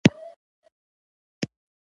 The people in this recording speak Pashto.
ملک صاحب ډېر پوه دی.